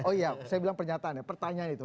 oh iya saya bilang pernyataan ya pertanyaan itu